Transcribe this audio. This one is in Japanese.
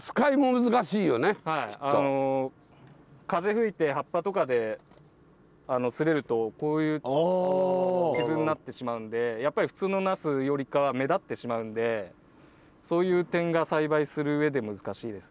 風吹いて葉っぱとかですれるとこういう傷になってしまうんでやっぱり普通のなすよりかは目立ってしまうんでそういう点が栽培するうえで難しいです。